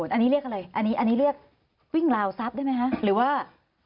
อันนี้เรียกอะไรอันนี้เรียกวิ่งราวทรัพย์ได้ไหมคะหรือว่า